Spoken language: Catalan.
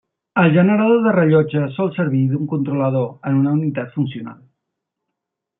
El generador de rellotge sol servir d'un controlador en una unitat funcional.